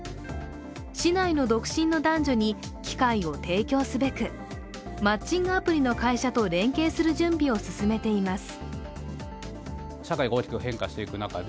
市内の独身の男女に機会を提供すべくマッチングアプリの会社と連携する準備を進めています。